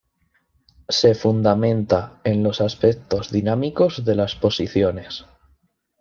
Se fundamenta en los aspectos dinámicos de las posiciones.